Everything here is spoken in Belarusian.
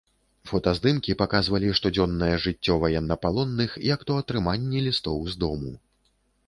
Фотаздымкі паказвалі штодзённае жыццё ваеннапалонных, як то атрыманне лістоў з дому.